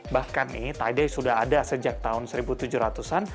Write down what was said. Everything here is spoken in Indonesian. bahkan nih taidai sudah ada sejak tahun seribu tujuh ratus an